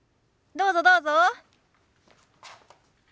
どうぞどうぞ。